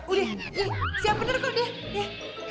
udah siap bener kok udah ya